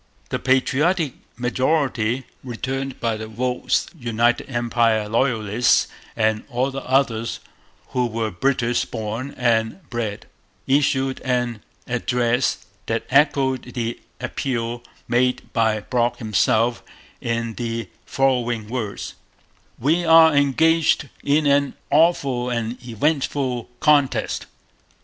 The patriotic majority, returned by the votes of United Empire Loyalists and all others who were British born and bred, issued an address that echoed the appeal made by Brock himself in the following words: 'We are engaged in an awful and eventful contest.